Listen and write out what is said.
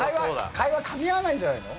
会話かみ合わないんじゃないの？